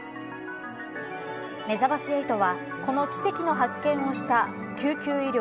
めざまし８はこの奇跡の発見をした救急医療